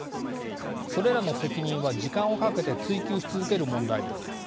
それらの責任は時間をかけて追及し続ける問題です。